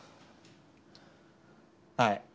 はい。